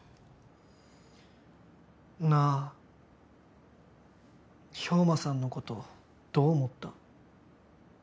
なあ兵馬さんのことどう思った？